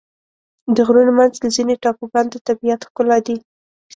د غرونو منځ کې ځینې ټاپوګان د طبیعت ښکلا دي.